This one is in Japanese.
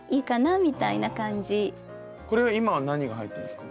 これは今は何が入ってますか？